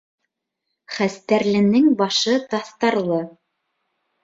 Хәстәрленең башы таҫтарлы.